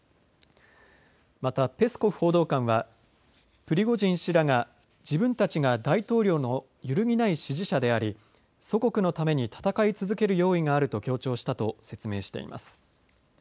また、ペスコフ報道官はプリゴジン氏らが自分たちが大統領の揺るぎない支持者であり祖国のために戦い続ける用意があると強調したと説明しています。